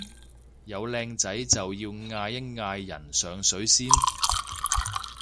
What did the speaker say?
有靚仔就要嗌一嗌人上水先